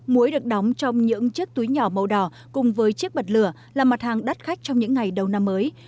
muối được đóng trong những chiếc túi nhỏ màu đỏ cùng với chiếc bật lửa là mặt hàng đắt khách trong những ngày đầu năm mới